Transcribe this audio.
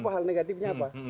hal negatifnya apa